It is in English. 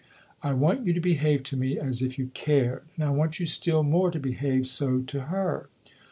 I want you to behave to me as if you cared and I want you still more to behave so to her."